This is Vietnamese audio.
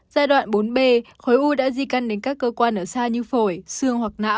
giai đoạn bốn b khối u đã di căn đến các cơ quan ở xa như phổi xương hoặc não